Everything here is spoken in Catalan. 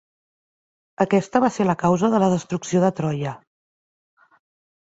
Aquesta va ser la causa de la destrucció de Troia.